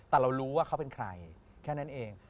แต่เรารู้ว่าเขาเป็นใครแค่นั้นเอง